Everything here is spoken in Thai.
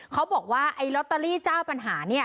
เขาบอกว่าไอ้ลอตเตอรี่เจ้าปัญหาเนี่ย